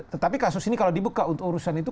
tetapi kasus ini kalau di buka untuk urusan itu